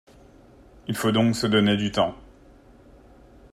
Il faut donc se donner du temps.